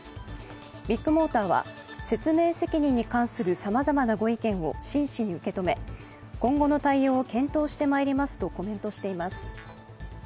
ビッグモーターは説明責任に関するさまざまなご意見を真摯に受け止め今後の対応を検討してまいりますとコメントしています。